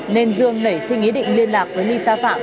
nên dương nảy sinh ý định liên lạc với lisa phạm